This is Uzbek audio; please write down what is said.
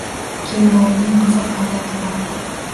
Kelinoyining qiziq odati bor.